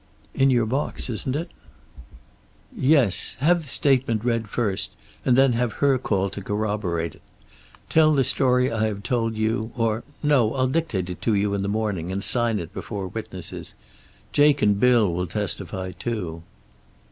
"In your box, isn't it?" "Yes. Have the statement read first, and then have her called to corroborate it. Tell the story I have told you or no, I'll dictate it to you in the morning, and sign it before witnesses. Jake and Bill will testify too."